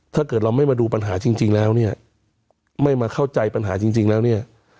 ถ้าเกิดเราไม่มาดูปัญหาจริงแล้วเนี่ยไม่มาเข้าใจปัญหาจริงแล้วเนี่ย